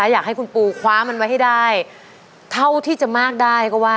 อยากให้คุณปูคว้ามันไว้ให้ได้เท่าที่จะมากได้ก็ว่า